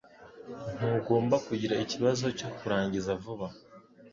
ntugomba kugira ikibazo cyo kurangiza vuba